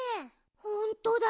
ほんとだ！